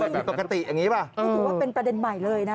ผิดปกติอย่างนี้ป่ะนี่ถือว่าเป็นประเด็นใหม่เลยนะ